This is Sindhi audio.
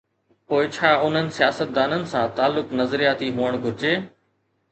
پوءِ ڇا انهن سياستدانن سان تعلق نظرياتي هئڻ گهرجي؟